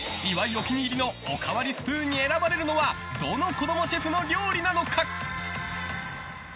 お気に入りのおかわりスプーンに選ばれるのはどの子供シェフの料理なのか？